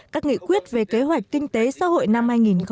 các nghị quyết về kế hoạch kinh tế xã hội năm hai nghìn một mươi bảy